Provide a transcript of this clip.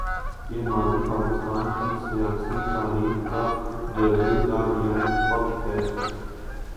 یہ ماضی پاکستان کی سیاسی تاریخ کا جزو لا ینفک ہے۔